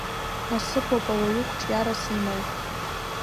Насыԥуп ауаҩы қәҿиарас имоу!